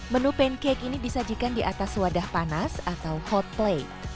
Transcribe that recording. menu pancake ini disajikan di atas wadah panas atau hot play